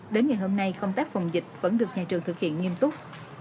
đến ngày hôm nay công tác phòng dịch vẫn được nhà trường thực hiện nghiêm túc